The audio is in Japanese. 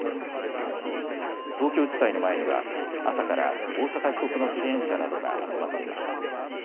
東京地裁の前には朝から大坂被告の支援者などが集まっていました。